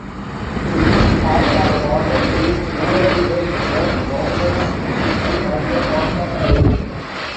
In the east, parts of modern-day Vorarlberg were Romansh-speaking, as were parts of Tyrol.